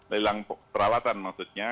lelang perawatan maksudnya